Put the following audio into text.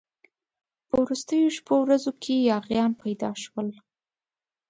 په وروستو شپو ورځو کې یاغیان پیدا شول.